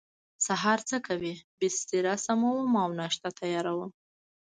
سهار څه کوئ؟ بستره سموم او ناشته تیاروم